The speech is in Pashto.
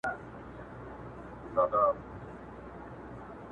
زه ساتونکی یی هر زمان یم بکی سمت ممت نه منمه